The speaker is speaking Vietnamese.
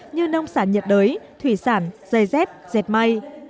như nông sản nhiệt đới thủy sản dây dép dệt may